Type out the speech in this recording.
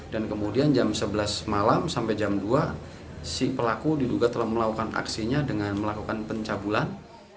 dan kemudian jam sebelas malam sampai jam dua si pelaku diduga telah melakukan aksinya dengan melakukan pencabulan